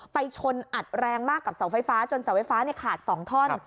ไปชนอัดแรงมากกับเสาไฟฟ้าจนเสาไฟฟ้าขาด๒ท่อน